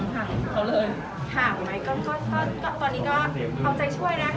คุณเลี้ยวขาลไหมก่อนก่อนก่อนตอนนี้ก็เอาใจช่วยนะคะ